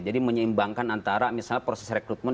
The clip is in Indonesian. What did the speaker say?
jadi menyeimbangkan antara misalnya proses rekrutmen